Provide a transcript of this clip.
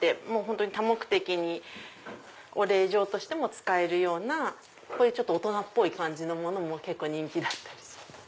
多目的にお礼状としても使えるような大人っぽい感じのものも結構人気だったりします。